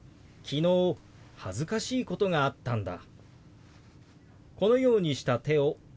「昨日恥ずかしいことがあったんだ」。